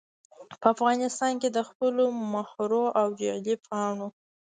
په افغانستان کې دخپلو مهرو او جعلي پاڼو